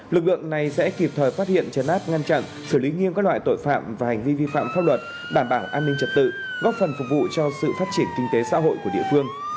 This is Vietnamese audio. lực lượng này sẽ kịp thời phát hiện chấn áp ngăn chặn xử lý nghiêm các loại tội phạm và hành vi vi phạm pháp luật đảm bảo an ninh trật tự góp phần phục vụ cho sự phát triển kinh tế xã hội của địa phương